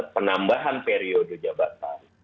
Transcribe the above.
penambahan periode jabatan